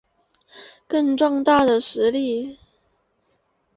更壮大的实力